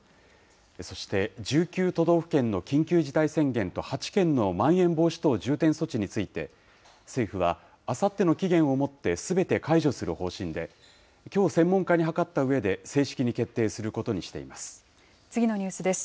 そして、１９都道府県の緊急事態宣言と８県のまん延防止等重点措置について、政府は、あさっての期限をもってすべて解除する方針で、きょう専門家に諮ったうえで、正式に決定することにしています。